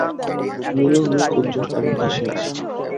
নীলুর মুখ উজ্জ্বল এবং হাসি-হাসি।